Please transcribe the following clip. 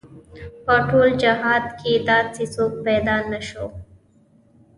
په ټول جهاد کې داسې څوک پيدا نه شو.